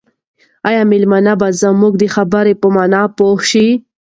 آیا مېلمانه به زما د خبرو په مانا پوه شي؟